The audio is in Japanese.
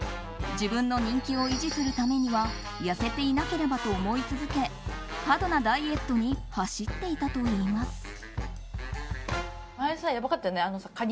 自分の人気を維持するためには痩せていなければと思い続け過度なダイエットに走っていたといいます。